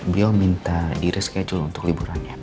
beliau minta iri schedule untuk liburannya